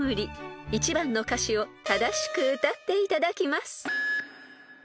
［１番の歌詞を正しく歌っていただきます］